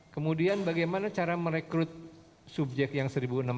kemudian bagaimana cara merekrut subjek yang satu enam ratus dua puluh